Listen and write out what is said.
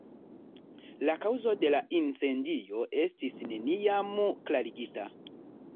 La kaŭzo de la incendio estis neniam klarigita.